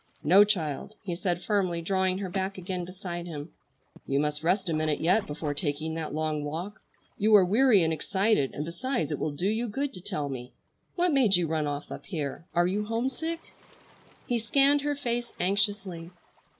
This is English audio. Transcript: "No, child," he said firmly drawing her back again beside him, "you must rest a minute yet before taking that long walk. You are weary and excited, and besides it will do you good to tell me. What made you run off up here? Are you homesick?" He scanned her face anxiously.